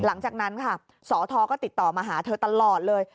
หลังจากนั้นค่ะสทก็ติดต่อมาหาเธอตลอดเลย